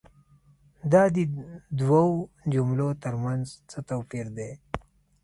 دا دي دوو جملو تر منځ څه توپیر دی؟